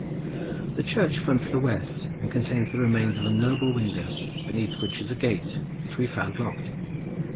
The church fronts the west and contains the remains of a noble window, beneath which is a gate, which we found locked.